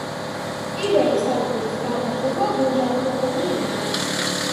პირველი სართულის გადახურვა გუმბათოვანი იყო.